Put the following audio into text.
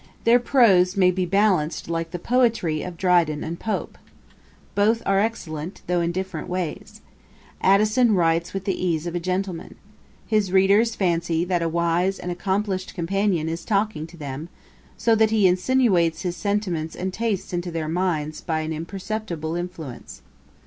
Their prose may be balanced like the poetry of Dryden and Pope. Both are excellent, though in different ways. Addison writes with the ease of a gentleman. His readers fancy that a wise and accomplished companion is talking to them; so that he insinuates his sentiments and taste into their minds by an imperceptible influence.